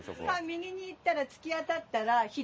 右に行ったら突き当たったら左に。